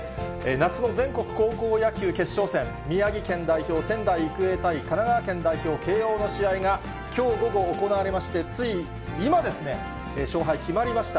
夏の全国高校野球決勝戦、宮城県代表、仙台育成対、神奈川県代表、慶応の試合が、きょう午後、行われまして、つい、今ですね、勝敗、決まりました。